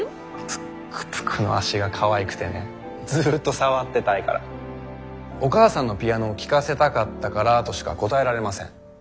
ぷっくぷくの足がかわいくてねずっと触ってたいからお母さんのピアノを聴かせたかったからとしか答えられません。